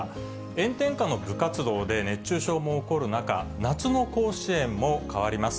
炎天下の部活動で熱中症も起こる中、夏の甲子園も変わります。